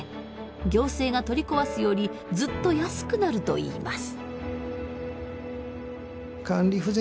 行政が取り壊すよりずっと安くなるといいます。